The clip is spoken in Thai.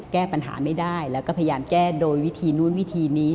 แก้ปัญหาไม่ได้แล้วก็พยายามแก้โดยวิธีนู้นวิธีนี้